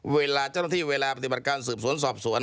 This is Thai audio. เวลาเจ้าหน้าที่เวลาปฏิบัติการสืบสวนสอบสวน